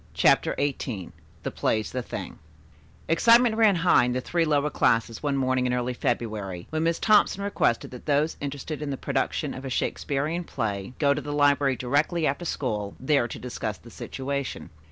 CHAPTER XVIII THE PLAY'S THE THING Excitement ran high in the three lower classes one morning in early February when Miss Thompson requested that those interested in the production of a Shakespearian play go to the library directly after school, there to discuss the situation.